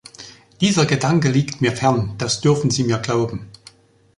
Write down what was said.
Dieser Gedanke liegt mir fern, das dürfen Sie mir glauben!